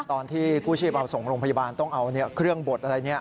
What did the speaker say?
ตอนที่กู้ชีพเอาส่งโรงพยาบาลต้องเอาเครื่องบดอะไร